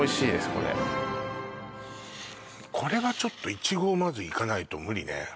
これこれはちょっといちごをまずいかないと無理ね